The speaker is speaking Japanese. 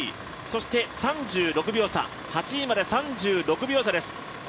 そして、８位まで３６秒差です。